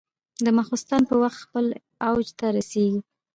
د ماخوستن په وخت خپل اوج ته رسېږي.